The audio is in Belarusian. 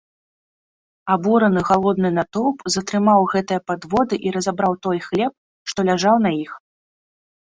Абураны галодны натоўп затрымаў гэтыя падводы і разабраў той хлеб, што ляжаў на іх.